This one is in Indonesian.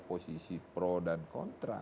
posisi pro dan kontra